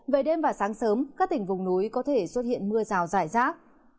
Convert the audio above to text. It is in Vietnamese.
về đêm và sáng sớm các tỉnh vùng núi có thể xuất hiện mưa rào rải rác